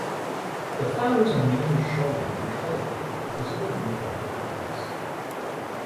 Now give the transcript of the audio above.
The flowers are mainly showy and colorful with visible reproductive components.